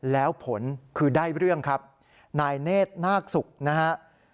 แล้วผลคือได้เรื่องครับนายเนธน่าสุขนะฮะ